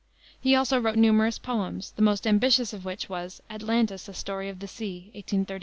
He also wrote numerous poems, the most ambitious of which was Atlantis, a Story of the Sea, 1832.